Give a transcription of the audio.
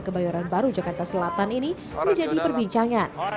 kebayoran baru jakarta selatan ini menjadi perbincangan